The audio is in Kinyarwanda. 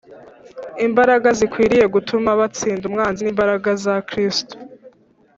imbaraga zikwiriye gutuma batsinda umwanzi ni imbaraga za kristo